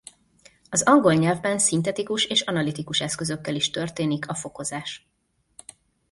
Az angol nyelvben szintetikus és analitikus eszközökkel is történik a fokozás.